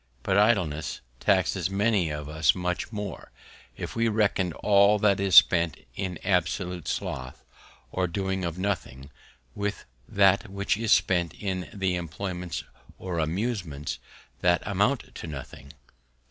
But Idleness taxes many of us much more, if we reckon all that is spent in absolute Sloth, or doing of nothing, with that which is spent in idle Employments or Amusements, that amount to nothing.